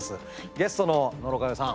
ゲストの野呂佳代さん